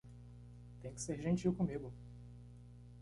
Tem que ser gentil comigo.